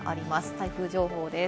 台風情報です。